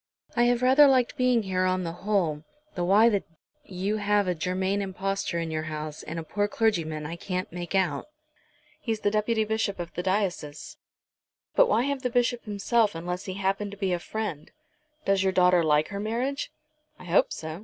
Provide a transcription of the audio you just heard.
I have rather liked being here on the whole, though why the d you should have a Germain impostor in your house, and a poor clergyman, I can't make out." "He's the Deputy Bishop of the diocese." "But why have the Bishop himself unless he happen to be a friend? Does your daughter like her marriage?" "I hope so.